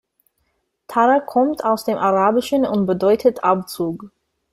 Tara kommt aus dem Arabischen und bedeutet Abzug.